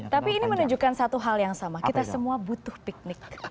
tapi ini menunjukkan satu hal yang sama kita semua butuh piknik